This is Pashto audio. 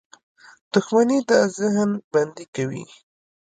• دښمني د ذهن بندي کوي.